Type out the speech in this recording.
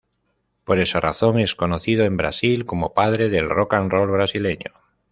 Por esa razón es conocido en Brasil como padre del rock and roll brasileño.